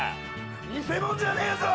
見せ物じゃねえぞ！